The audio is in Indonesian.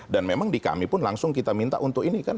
dan memang di kami pun langsung kita minta untuk ini kan